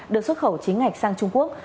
được xuất khẩu chính ạch sang trung quốc